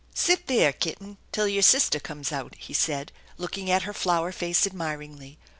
"Sit there, kitten, till your sister coiaes out," he said, looking at her flower face admiringly.